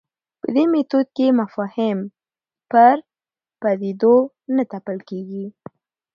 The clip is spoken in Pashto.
په دې میتود کې مفاهیم پر پدیدو نه تپل کېږي.